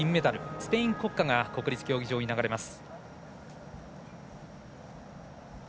スペイン国歌が国立競技場に流れます。